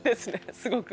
すごく。